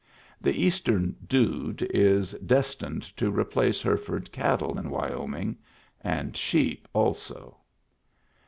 The eastern " dude " is destined to replace Hereford cattle in Wyoming — and sheep also.